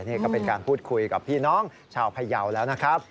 นี่ก็เป็นการพูดคุยกับพี่น้องชาวพยาวแล้วนะครับ